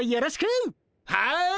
はい。